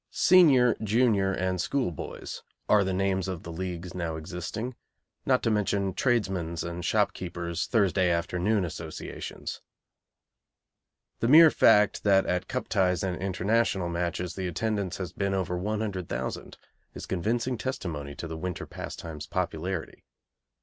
Senior, junior, and school boys' are the names of the leagues now existing, not to mention tradesmen's and shopkeepers' Thursday afternoon associations. The mere fact that at Cup ties and International matches the attendance has been over 100,000 is convincing testimony to the winter pastime's popularity.